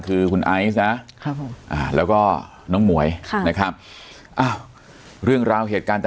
คือคุณไอซ์นะครับผมแล้วก็น้องหมวยนะครับเรื่องราวเหตุการณ์ต่าง